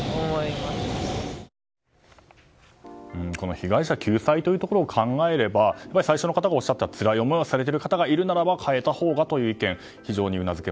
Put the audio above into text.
被害者救済というところを考えればやっぱり最初の方がおっしゃったつらい思いをされている方がいるなら変えたほうがという意見